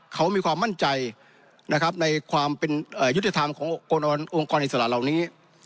เขามีความมั่นใจนะครับในความเป็นยุติธรรมขององค์กรอิสระเหล่านี้